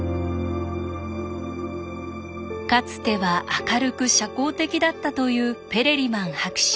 かつては明るく社交的だったというペレリマン博士。